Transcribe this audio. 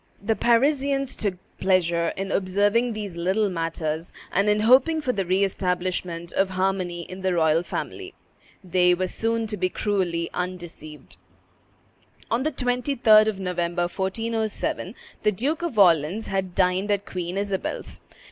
The Parisians took pleasure in observing these little matters, and in hoping for the re establishment of harmony in the royal family. They were soon to be cruelly undeceived. On the 23d of November, 1407, the Duke of Orleans had dined at Queen Isabel's.